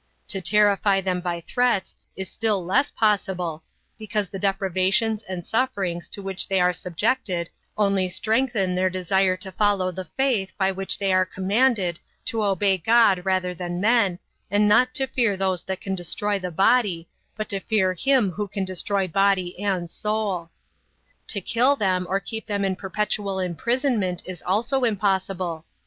To terrify them by threats is still less possible, because the deprivations and sufferings to which they are subjected only strengthen their desire to follow the faith by which they are commanded: to obey God rather than men, and not to fear those who can destroy the body, but to fear him who can destroy body and soul. To kill them or keep them in perpetual imprisonment is also impossible.